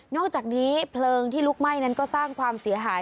อกจากนี้เพลิงที่ลุกไหม้นั้นก็สร้างความเสียหาย